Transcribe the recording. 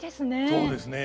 そうですね。